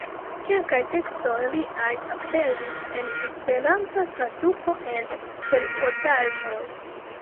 Kelkaj tekstoj liaj aperis en Esperanta traduko en periodaĵoj.